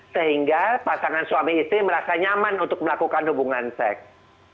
sehingga pasangan suami istri merasa nyaman untuk melakukan hubungan seks